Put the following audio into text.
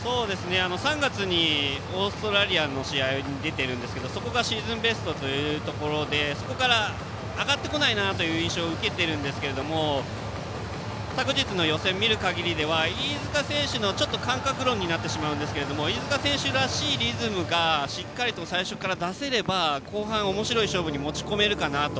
３月にオーストラリアの試合に出ているんですけどそこがシーズンベストというところでそこから上がってこないなという印象を受けているんですが昨日の予選を見る限りではちょっと感覚論になってしまうんですが飯塚選手のリズムがしっかりと最初から出せれば後半、おもしろい勝負に持ち込めるかなと。